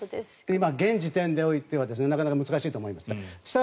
今、現時点においてはなかなか難しいと思います。